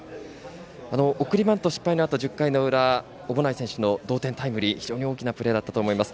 送りバント失敗のあと１０回の裏に小保内選手の同点タイムリー非常に大きなプレーだったと思います。